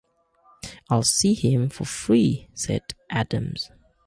I'll see him for free, said Adams.